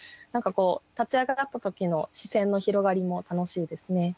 何かこう立ち上がった時の視線の広がりも楽しいですね。